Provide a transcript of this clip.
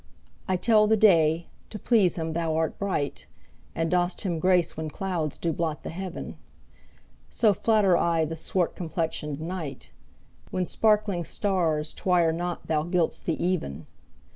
I tell the day, to please him thou art bright, And dost him grace when clouds do blot the heaven: So flatter I the swart complexion'd night, When sparkling stars twire not thou gild'st the even.